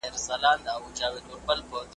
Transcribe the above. جنت ځای وي د هغو چي کوي صبر .